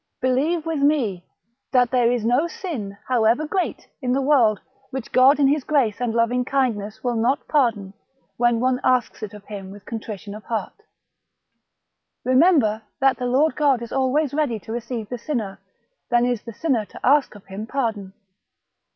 Believe with me. 234 THE BOOK OF WERE WOLVES. that there is no sin, however great, in the world, which God, in his grace and loving kindness, will not pardon, when one asks it of Him with contrition of heart. Bememher that the Lord God is always more ready to receive the sinner than is the sinner to ask of Him pardon.